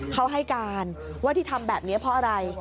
เขาให้การว่าที่ทำแบบนี้เพราะอะไร